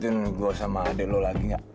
bisa duketin gue sama adik lo lagi gak